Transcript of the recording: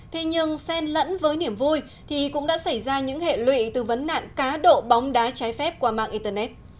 thế nhưng sen lẫn với niềm vui thì cũng đã xảy ra những hệ lụy từ vấn nạn cá độ bóng đá trái phép qua mạng internet